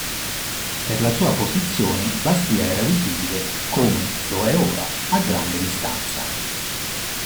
Per la sua posizione Bastia era visibile, come lo è ora, a grande distanza.